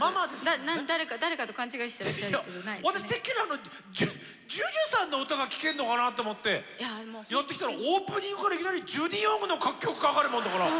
私てっきりあのＪＵＪＵさんの歌が聴けんのかなと思ってやって来たらオープニングからいきなりジュディ・オングの楽曲かかるもんだから。